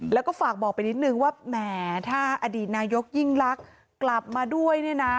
แล้วก็ฝากบอกไปนิดนึงว่าแหมถ้าอดีตนายกยิ่งลักษณ์กลับมาด้วยเนี่ยนะ